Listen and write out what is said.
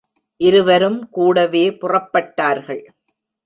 இருவரும் கூடவே புறப்பட்டார்கள்.